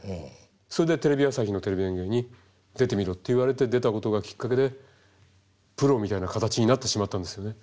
それでテレビ朝日の「テレビ演芸」に出てみろって言われて出たことがきっかけでプロみたいな形になってしまったんですよね。